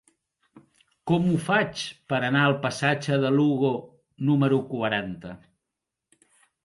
Com ho faig per anar al passatge de Lugo número quaranta?